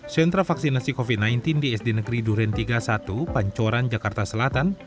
sentra vaksinasi covid sembilan belas di sd negeri duren tiga puluh satu pancoran jakarta selatan